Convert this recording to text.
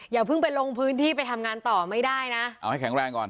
อย่าเพิ่งไปลงพื้นที่ไปทำงานต่อไม่ได้นะเอาให้แข็งแรงก่อน